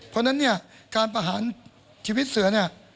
เพราะฉะนั้นการประหารชีวิตเสือ